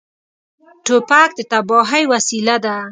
توپک د تباهۍ وسیله ده.